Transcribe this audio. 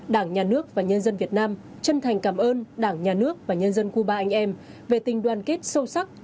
đảng nhà nước và nhân dân việt nam chân thành cảm ơn đảng nhà nước và nhân dân cuba anh em về tình đoàn kết sâu sắc